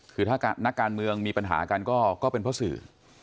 คือถ้านักการเมืองมีปัญหากันก็เป็นเพราะสื่อ